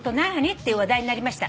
っていう話題になりました」